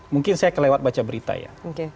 mungkin saya kelewat baca berita ya